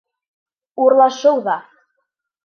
Урлашыу ҙа